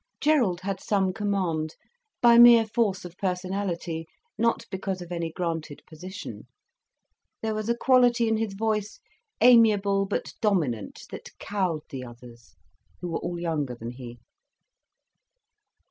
Gerald had some command, by mere force of personality, not because of any granted position. There was a quality in his voice, amiable but dominant, that cowed the others, who were all younger than he.